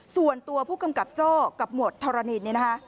ส่วนตัวผู้กำกัดโจ้กับหมวดทรนิน